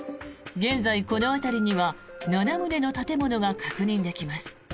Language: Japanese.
現在、この辺りには７棟の建物が確認できます。